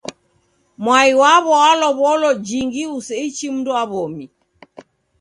Mwai waw'o walow'olo jingi useichi mndu wa w'omi.